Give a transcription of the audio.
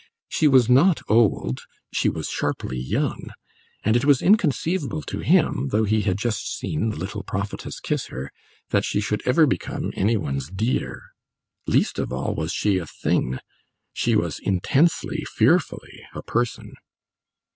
She was not old she was sharply young; and it was inconceivable to him, though he had just seen the little prophetess kiss her, that she should ever become any one's "dear." Least of all was she a "thing"; she was intensely, fearfully, a person.